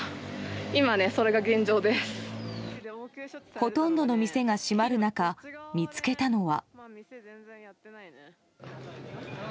ほとんどの店が閉まる中見つけたのは。